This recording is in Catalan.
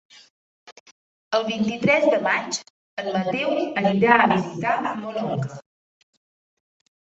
El vint-i-tres de maig en Mateu anirà a visitar mon oncle.